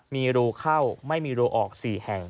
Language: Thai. มีรูเข้าไม่มีรูออก๔แห่ง